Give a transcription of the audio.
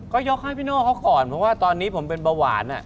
ก็ยกให้พี่โน่เขาก่อนเพราะว่าตอนนี้ผมเป็นเบาหวาน